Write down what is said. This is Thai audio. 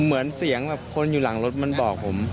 เหมือนเสียงแบบคนอยู่หลังรถมันบอกผม